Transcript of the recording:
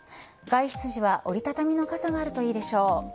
外出時は折り畳みの傘があるといいでしょう。